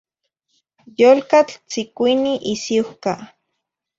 Yolcatl tzicuini isiuhca